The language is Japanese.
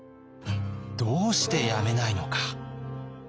どうしてやめないのか？